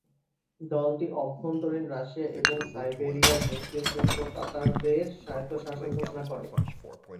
দলটি "অভ্যন্তরীণ রাশিয়া এবং সাইবেরিয়ার মুসলিম তুর্ক-তাতারদের" স্বায়ত্তশাসন ঘোষণা করে।